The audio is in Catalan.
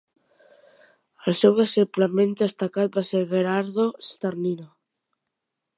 El seu deixeble menys destacat va ser Gherardo Starnina.